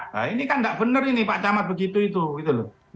nah ini kan nggak bener ini pak camat begitu begitu gitu loh